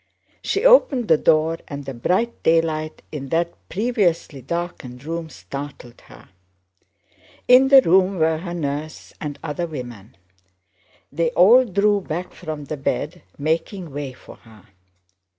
She opened the door and the bright daylight in that previously darkened room startled her. In the room were her nurse and other women. They all drew back from the bed, making way for her.